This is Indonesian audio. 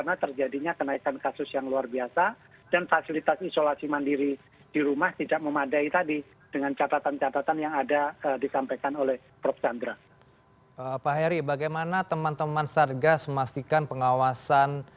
jadi rasanya selain kemudian melakukan isolasi mandiri pemerintah juga akan menyiapkan pusat pusat isolasi terpadu ya